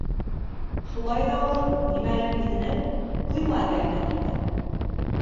Шулай ҙа ул, нимәлер һиҙенеп, ҡойма эргәһенә килде.